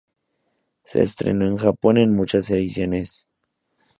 Se estrenó en Japón en muchas ediciones.